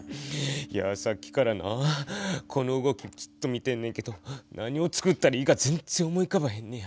いやぁさっきからなこの動きずっと見てんねんけど何をつくったらいいか全然思いうかばへんのや。